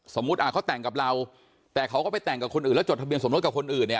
เขาแต่งกับเราแต่เขาก็ไปแต่งกับคนอื่นแล้วจดทะเบียนสมรสกับคนอื่นเนี่ย